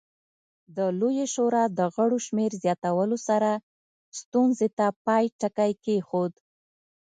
د لویې شورا د غړو شمېر زیاتولو سره ستونزې ته پای ټکی کېښود